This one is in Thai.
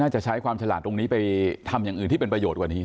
จะใช้ความฉลาดตรงนี้ไปทำอย่างอื่นที่เป็นประโยชน์กว่านี้